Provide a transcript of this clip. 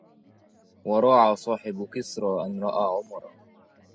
وراع صاحب كسرى أن رأى عمرا